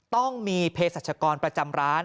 ต้องมีเพศสัชกรประจำร้าน